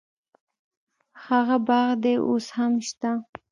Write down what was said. هغه باغ دې اوس هم شته.